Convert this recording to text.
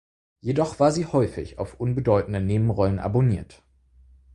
Jedoch war sie häufig auf unbedeutende Nebenrollen abonniert.